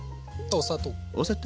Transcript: お砂糖！